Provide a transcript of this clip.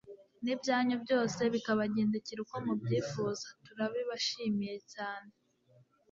n'ibyanyu byose bikabagendekera uko mubyifuza, turabibashimiye cyane